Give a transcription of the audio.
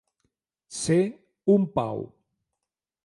Ser un pau.